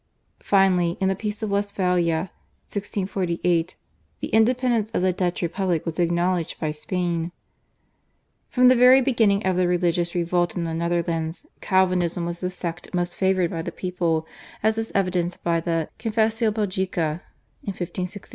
Finally in the Peace of Westphalia (1648) the independence of the Dutch republic was acknowledged by Spain. From the very beginning of the religious revolt in the Netherlands Calvinism was the sect most favoured by the people, as is evidenced by the /Confessio Belgica/ in 1562.